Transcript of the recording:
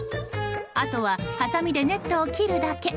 あとは、はさみでネットを切るだけ。